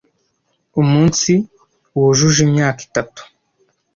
Umunsi wujuje imyaka itatu,